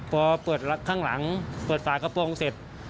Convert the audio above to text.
พอเปิดข้างหลังเปิดฝากระโปรงเสร็จ